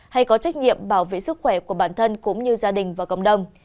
hay có trách nhiệm bảo vệ sức khỏe của bản thân cũng như gia đình và cộng đồng